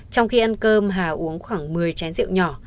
trong khi ăn cơm hà uống khoảng một mươi chén rượu nhỏ